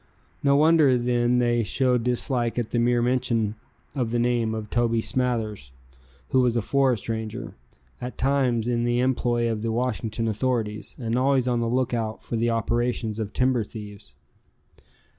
No wonder then they showed dislike at the mere mention of the name of Toby Smathers, who was a forest ranger, at times in the employ of the Washington authorities, and always on the lookout for the operations of timber thieves.